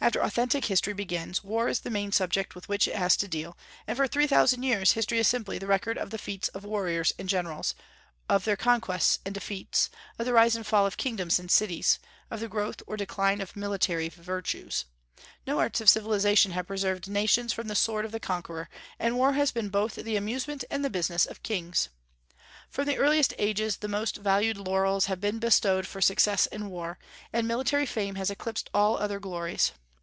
After authentic history begins, war is the main subject with which it has to deal; and for three thousand years history is simply the record of the feats of warriors and generals, of their conquests and defeats, of the rise and fall of kingdoms and cities, of the growth or decline of military virtues. No arts of civilization have preserved nations from the sword of the conqueror, and war has been both the amusement and the business of kings. From the earliest ages, the most valued laurels have been bestowed for success in war, and military fame has eclipsed all other glories.